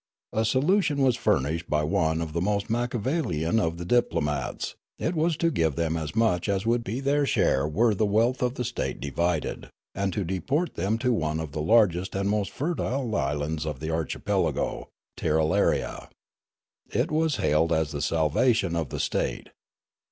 A solution was furnished by one of the most machiavellian of the diplomats; it was to give them as much as would be their share were the wealth of the state divided, and to deport them to one of the largest and most fertile islands of the archipelago, Tirralaria. It was hailed as the salvation of the state.